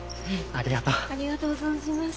ありがとう存じます。